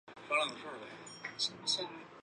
只要沟通对象对术语的含义达成共识就可以。